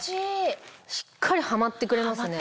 しっかりハマってくれますね。